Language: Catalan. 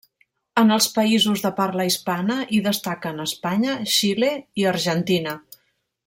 En els països de parla hispana hi destaquen Espanya, Xile i Argentina.